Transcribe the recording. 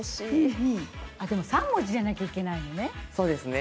でも３文字じゃないといけないのね。